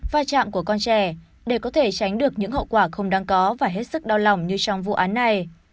và chạm của con trẻ để có thể tránh được những hậu quả không đáng có và hết sức đau lòng như trong vụ án này